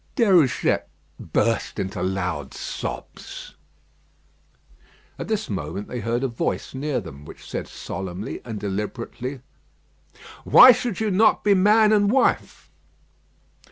Déruchette burst into loud sobs. At this moment they heard a voice near them, which said solemnly and deliberately: "Why should you not be man and wife?"